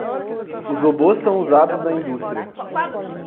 Os robôs são usados na indústria